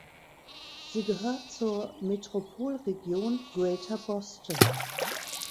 Sie gehört zur Metropolregion Greater Boston.